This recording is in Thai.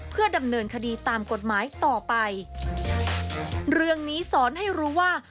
เพื่อดำเนินคดีตามกฎหมายต่อไปเรื่องนี้สอนให้รู้ว่า